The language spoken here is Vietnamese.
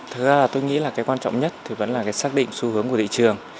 thực ra là tôi nghĩ là cái quan trọng nhất thì vẫn là cái xác định xu hướng của thị trường